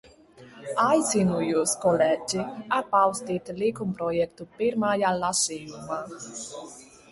Aicinu jūs, kolēģi, atbalstīt likumprojektu pirmajā lasījumā!